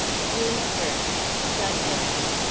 June 1st, Sunday.